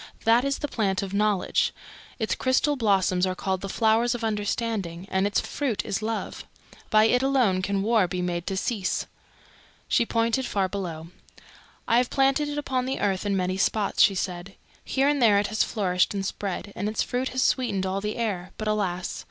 That is the Plant of Knowledge; its crystal blossoms are called the Flowers of Understanding, and its fruit is Love. By it alone can war be made to cease." She pointed far below. "I have planted it upon the earth in many spots," she said. "Here and there it has flourished and spread, and its fruit has sweetened all the air. But, alas!"